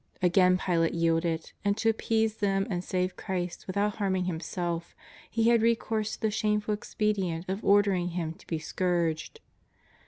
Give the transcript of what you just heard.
Again Pilate yielded, and, to appease them and save Christ without harming him self, he had recourse to the shameful expedient of ordering Him to be scourged.